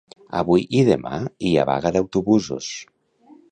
Avui i demà hi ha vaga d'autobusos